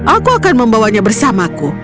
aku akan membawanya bersamaku